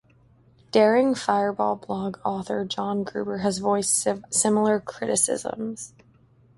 Daring Fireball blog author John Gruber has voiced similar criticisms.